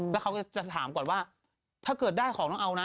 แล้วเขาก็จะถามก่อนว่าถ้าเกิดได้ของต้องเอานะ